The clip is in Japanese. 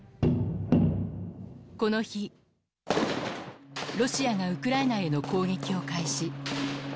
この日、ロシアがウクライナへの攻撃を開始。